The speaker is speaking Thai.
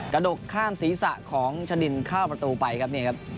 กระดกข้ามศีรษะของชดินเข้าประตูไปนะครับ